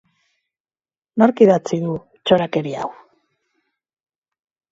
Nork idatzi du txorakeria hau?